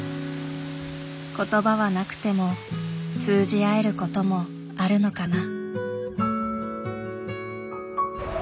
言葉はなくても通じ合えることもあるのかな。